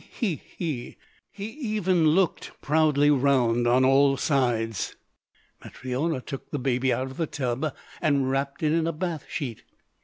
He even looked proudly round on all sides. Matryona took the baby out of the tub, and wrapped it in a bath sheet.